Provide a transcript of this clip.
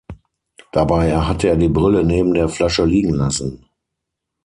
Dabei hat er die Brille neben der Flasche liegengelassen.